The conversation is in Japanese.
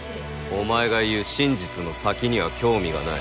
お前が言う真実の先には興味がない。